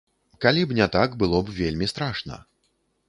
Калі б не так, было б вельмі страшна.